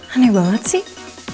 aneh banget sih